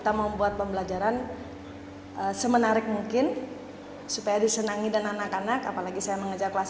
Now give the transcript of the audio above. kita mau membuat pembelajaran semenarik mungkin supaya disenangi dengan anak anak apalagi saya mengejar kelas satu